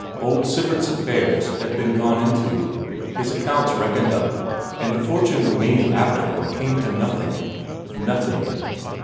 Old Sivert's affairs had been gone into, his accounts reckoned up, and the fortune remaining after him come to nothing. Nothing!